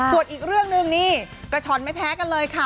ส่วนอีกเรื่องหนึ่งนี่กระช่อนไม่แพ้กันเลยค่ะ